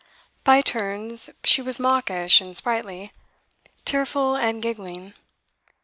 By turns she was mawkish and sprightly, tearful and giggling.